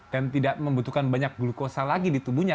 dan tidak membutuhkan banyak glukosa lagi di tubuhnya